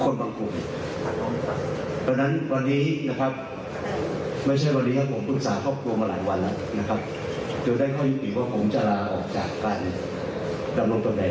นะครับเดี๋ยวได้ข้อยุ่งอีกว่าผมจะลาออกจากการดำรงตัวแดด